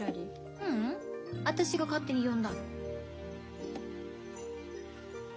ううん私が勝手に呼んだの。